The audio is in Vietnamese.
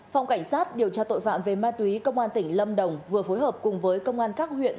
phòng cảnh sát điều tra tội phạm về ma túy công an tỉnh lâm đồng vừa phối hợp cùng với công an các huyện